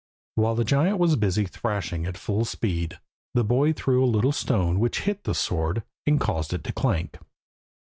While the giant was busy thrashing at full speed, the boy threw a little stone which hit the sword, and caused it to clank.